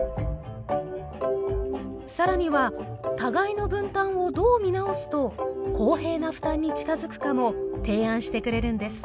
更には互いの分担をどう見直すと公平な負担に近づくかも提案してくれるんです。